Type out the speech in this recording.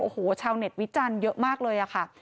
โอ้โหชาวเน็ตวิจารณ์เยอะมากเลยค่ะ